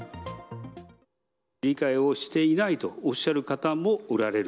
理解をしていないとおっしゃる方もおられる。